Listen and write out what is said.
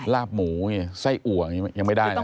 ลาบหมูไส้อ่วงยังไม่ได้นะ